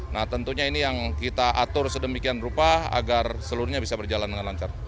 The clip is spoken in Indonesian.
nah tentunya ini yang kita atur sedemikian rupa agar seluruhnya bisa berjalan dengan lancar